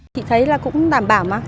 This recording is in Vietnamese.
chị thấy là cũng đảm bảo mà